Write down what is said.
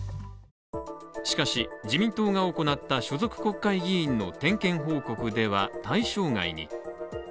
しかし、自民党が行った所属国会議員の点検報告では対象外に。